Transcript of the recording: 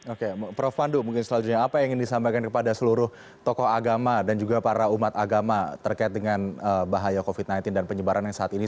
oke prof pandu mungkin selanjutnya apa yang ingin disampaikan kepada seluruh tokoh agama dan juga para umat agama terkait dengan bahaya covid sembilan belas dan penyebaran yang saat ini